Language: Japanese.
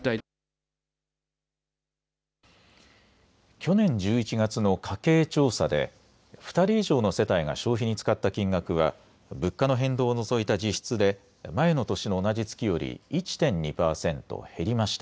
去年１１月の家計調査で２人以上の世帯が消費に使った金額は物価の変動を除いた実質で前の年の同じ月より１．２％減りました。